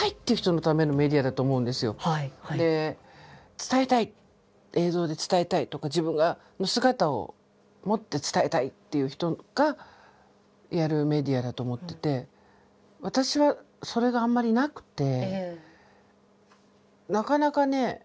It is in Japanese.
伝えたい映像で伝えたいとか自分の姿をもって伝えたいっていう人がやるメディアだと思ってて私はそれがあんまりなくてなかなかね